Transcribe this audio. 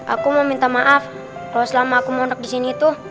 aku mau minta maaf kalo selama aku mondok di sini itu